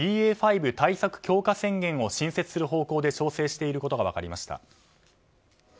５対策強化宣言を新設する方向で調節していることが分かりました。